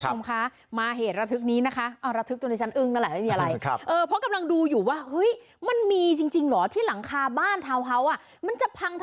ชมชมคามาเหตุระทึกนี้นะคะเอ้าระทึกตัวในชั้นอึ่งนั่นแหละ